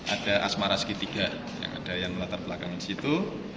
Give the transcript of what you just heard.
ada asmara segitiga yang ada yang melatar belakangan situ